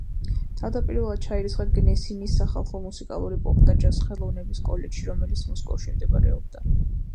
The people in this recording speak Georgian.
თავდაპირველად ჩაირიცხა გნესინის სახალხო მუსიკალური პოპ და ჯაზ ხელოვნების კოლეჯში, რომელიც მოსკოვში მდებარეობდა.